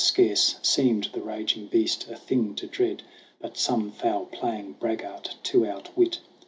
Scarce seemed the raging beast a thing to dread, But some foul playing braggart to outwit.